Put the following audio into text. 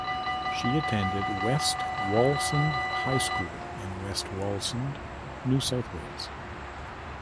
She attended West Wallsend High School in West Wallsend, New South Wales.